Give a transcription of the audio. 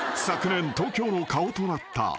［昨年東京の顔となった］